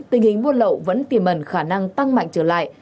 tình hình buôn lậu vẫn tiềm mẩn khả năng tăng mạnh trở lại